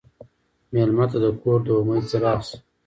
مېلمه ته د کور د امید څراغ شه.